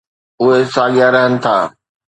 اهي ساڳيا رهن ٿا.